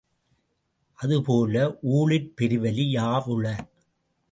அதுபோல, ஊழிற் பெருவலி யாவுள?